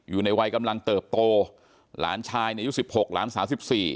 อยู่ในวัยกำลังเติบโตหลานชายในยุค๑๖หลานสาว๑๔